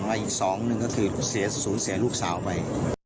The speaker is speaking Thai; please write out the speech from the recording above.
เอาล่ะอีก๒นึงก็คือสี่สูงเสียลูกสาวไป